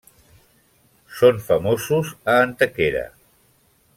Són famosos a Antequera.